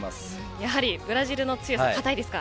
やはりブラジルの強さ固いですか。